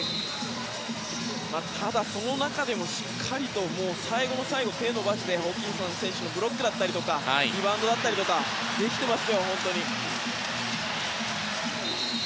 ただ、その中でもしっかり最後の最後手を伸ばしてホーキンソン選手のブロックだったりとかリバウンドだったりができていますよ。